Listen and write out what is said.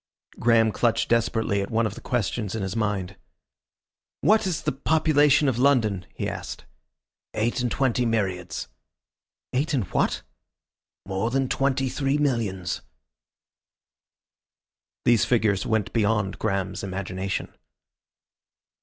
Graham clutched desperately at one of the questions in his mind. "What is the population of London?" he said. "Eight and twaindy myriads." "Eight and what?" "More than thirty three millions." These figures went beyond Graham's imagination.